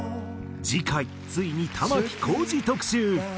次回ついに玉置浩二特集。